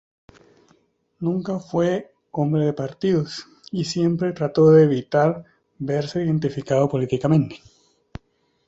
Nunca fue hombre de partidos y siempre trató de evitar verse identificado políticamente.